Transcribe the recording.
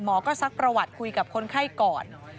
ก็ซักประวัติคุยกับคนไข้ก่อน